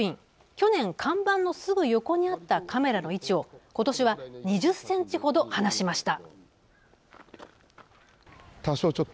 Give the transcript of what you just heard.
去年、看板のすぐ横にあったカメラの位置を今年は２０ｃｍほど離しました。